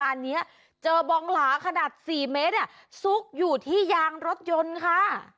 อันนี้เจอบองหลาขนาด๔เมตรซุกอยู่ที่ยางรถยนต์ค่ะ